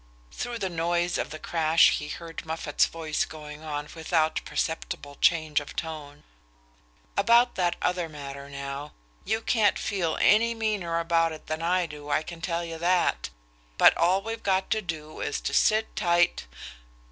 Through the noise of the crash he heard Moffatt's voice going on without perceptible change of tone: "About that other matter now...you can't feel any meaner about it than I do, I can tell you that... but all we've got to do is to sit tight..."